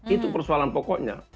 itu persoalan pokoknya